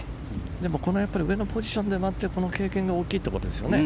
でもこの上のポジションで回っているこの経験が大きいということですよね。